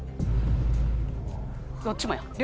どっちもやん。